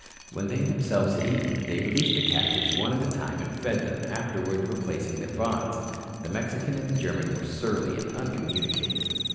When they themselves had eaten, they released the captives one at a time and fed them, afterwards replacing their bonds. The Mexican and the German were surly and uncommunicative.